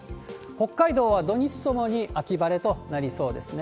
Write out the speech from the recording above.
北海道は土日ともに秋晴れとなりそうですね。